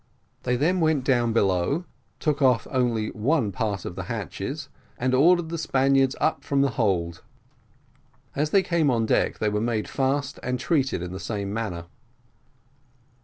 They then went down below, took off one part of the hatches, and ordered the Spaniards up from the hold: as they came on deck they were made fast and treated in the same manner.